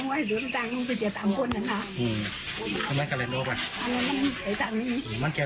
โลงคุณอาตารณีเข้าไปด้วย